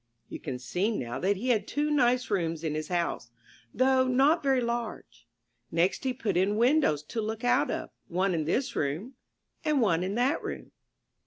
w w You can see now that he had two nice rooms in his house, though not very large. Next he put in windows to look out of — one in this room — and one in that room.